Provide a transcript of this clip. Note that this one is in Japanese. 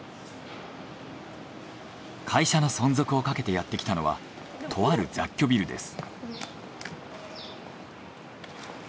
会社の存続をかけてやってきたのはとある雑居ビルです。